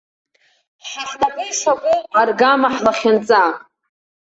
Ҳа ҳнапы ишаку аргама ҳлахьынҵа.